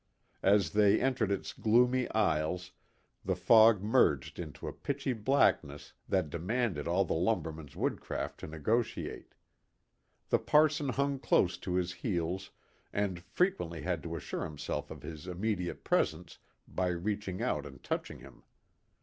As they entered its gloomy aisles, the fog merged into a pitchy blackness that demanded all the lumberman's woodcraft to negotiate. The parson hung close to his heels, and frequently had to assure himself of his immediate presence by reaching out and touching him.